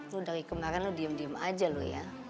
lu dari kemarin lu diem diem aja loh ya